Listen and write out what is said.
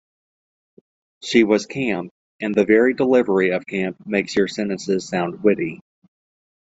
She was camp, and the very delivery of camp makes your sentences sound witty.